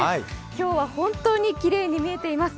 今日は本当にきれいに見えています。